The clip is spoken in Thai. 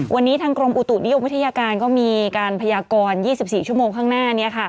วันนี้ทางกรมอุตุนิยมวิทยาคารก็มีการพยากรยี่สิบสี่ชั่วโมงข้างหน้านี้ค่ะ